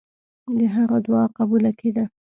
د هغه دعا قبوله کېده.